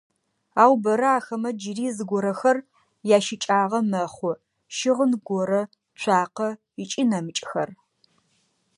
Ау бэрэ ахэмэ джыри зыгорэхэр ящыкӏагъэ мэхъу: щыгъын горэ, цуакъэ ыкӏи нэмыкӏхэр.